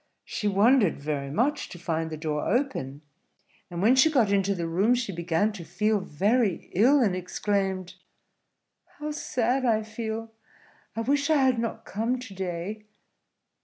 She wondered very much to find the door open; and when she got into the room, she began to feel very ill, and exclaimed, "How sad I feel! I wish I had not come to day."